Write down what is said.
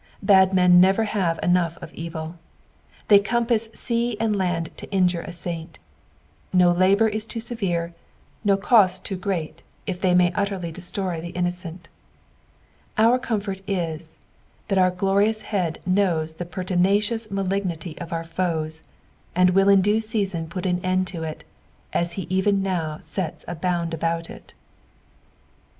Bad men never have enough ot evil. They compass sea and land to injure a saint ; no labour is too severe, no cost too ^reat if they may utterly destroy the innocent. Our comfort is, that our gtonous Head knowa the pertinacious malignity of our foes, and will in due season put an end to it, as he even now sets a bound about it.